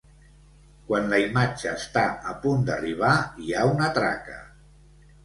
Quan la imatge està a punt d'arribar hi ha una traca.